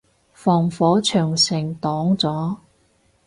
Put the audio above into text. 防火長城擋咗